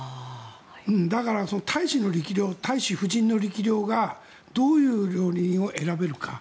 だからその大使の力量大使夫人の力量どういう料理人を選べるか。